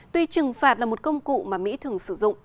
tuy trừng phạt là một công cụ mà mỹ thường sử dụng